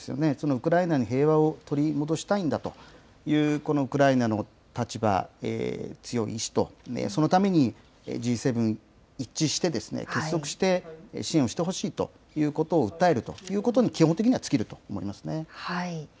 ウクライナに平和を取り戻したいんだと、このウクライナの立場、強い意志と、そのためにＧ７一致して、結束して支援をしてほしいということを訴えるということに基本的には尽きると思いますね。